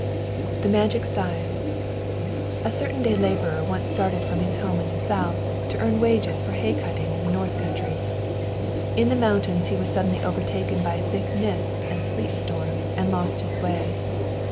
THE MAGIC SCYTHE A certain day laborer once started from his home in the south to earn wages for hay cutting in the north country. In the mountains he was suddenly overtaken by a thick mist and sleet storm, and lost his way.